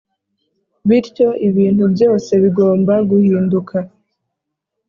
bityo ibintu byose bigomba guhinduka